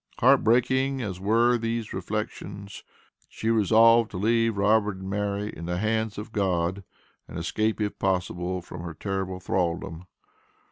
Heart breaking as were these reflections, she resolved to leave Robert and Mary in the hands of God, and escape, if possible from her terrible thraldom.